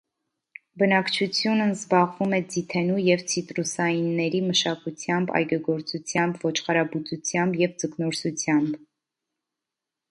Բնակչությունն զբաղվում է ձիթենու և ցիտրուսայինների մշակությամբ, այգեգործությամբ, ոչխարաբուծությամբ և ձկնորսությամբ։